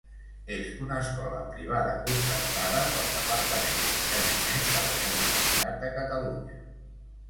És una escola privada concertada pel Departament d’Ensenyament de la Generalitat de Catalunya.